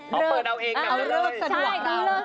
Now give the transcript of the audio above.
อ๋อเปิดเอาเองกันเลยเอาเลิกสะดวก